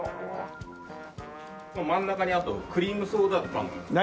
真ん中にあとクリームソーダパンがあります。